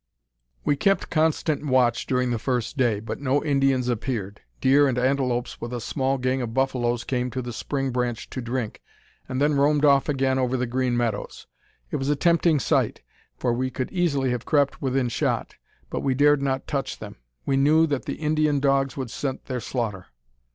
We kept constant watch during the first day, but no Indians appeared. Deer and antelopes, with a small gang of buffaloes, came to the spring branch to drink, and then roamed off again over the green meadows. It was a tempting sight, for we could easily have crept within shot, but we dared not touch them. We knew that the Indian dogs would scent their slaughter.